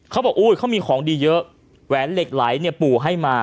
เขาบอกอุ้ยเขามีของดีเยอะแหวนเหล็กไหลเนี่ยปู่ให้มา